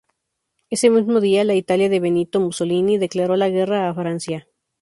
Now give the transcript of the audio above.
Ese mismo día la Italia de Benito Mussolini declaró la guerra a Francia.